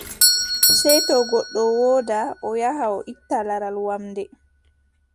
Sey to goɗɗo woodaa, o yaha o itta laral wamnde.